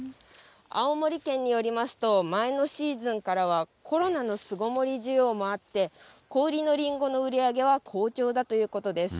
青森県によりますと、前のシーズンからはコロナの巣ごもり需要もあって、小売りのりんごの売り上げは好調だということです。